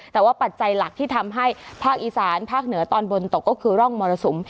แต่ว่าปัจจัยหลักที่ทำให้ภาคอีสานภาคเหนือตอนบนตกก็คือร่องมรสุม